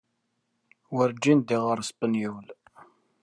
Werǧin ddiɣ ɣer Spenyul.